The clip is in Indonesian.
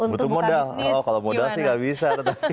butuh modal oh kalau modal sih gak bisa